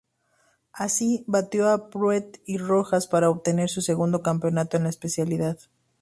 Así, batió a Pruett y Rojas para obtener su segundo campeonato en la especialidad.